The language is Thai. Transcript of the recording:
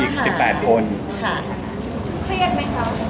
เครียดไหมคะ